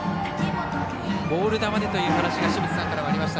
ボール球でという話が清水さんからありました。